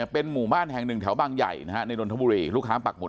เป็นหมู่บ้านแห่งหนึ่งแถวบางใหญ่ในนนทบุรีลูกค้าปักหุด